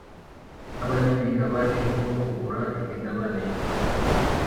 bw abanyamigabane bwo kugura imigabane